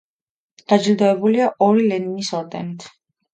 დაჯილდოებულია ორი ლენინის ორდენით.